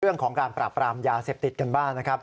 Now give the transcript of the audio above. เรื่องของการปราบปรามยาเสพติดกันบ้างนะครับ